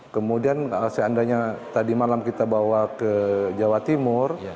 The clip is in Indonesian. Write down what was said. kemudian seandainya tadi malam kita bawa ke jawa timur